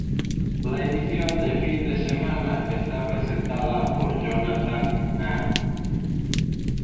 La edición de fin de semana está presentado por Jonathan Mann.